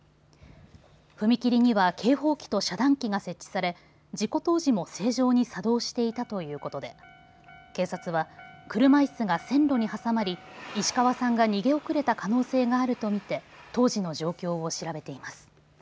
踏切には警報機と遮断機が設置され事故当時も正常に作動していたということで警察は車いすが線路に挟まり石川さんが逃げ遅れた可能性があると見て当時の状況を調べています。